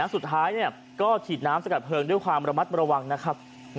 สุดท้ายก็ฉีดน้ำสกัดเพลิงด้วยความระมัดระวังนะครับ